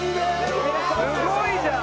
すごいじゃん。